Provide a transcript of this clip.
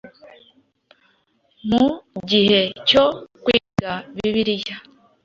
Mu gihe cyo kwiga Bibiliya,